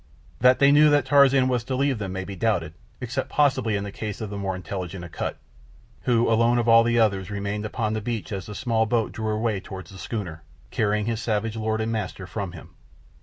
That they knew that Tarzan was to leave them may be doubted—except possibly in the case of the more intelligent Akut, who alone of all the others remained upon the beach as the small boat drew away toward the schooner, carrying his savage lord and master from him.